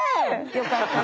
よかったね！